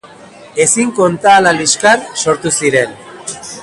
Ezin konta ahala liskar sortu ziren.